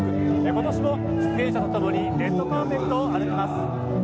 今年も出演者と共にレッドカーペットを歩きます。